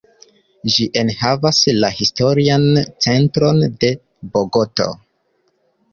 Ĝi enhavas la historian centron de Bogoto.